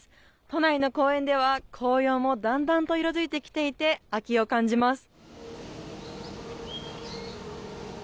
都内の公園では紅葉もだんだんと色づいてきていて秋を感じます。